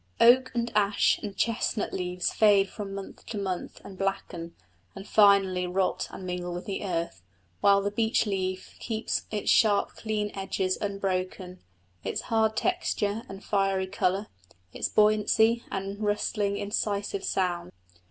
Oak and ash and chestnut leaves fade from month to month and blacken, and finally rot and mingle with the earth, while the beech leaf keeps its sharp clean edges unbroken, its hard texture and fiery colour, its buoyancy and rustling incisive sound.